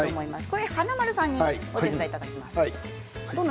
華丸さんにお手伝いいただきます。